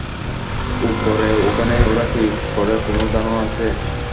উপরে ওখানে ওরা কী করে কোনো ধারণা আছে?